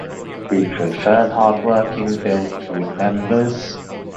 He preferred hard working build crew members.